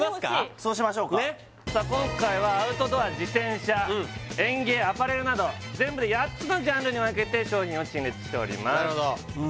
そうしましょうか今回はアウトドア自転車園芸アパレルなど全部で８つのジャンルに分けて商品を陳列しております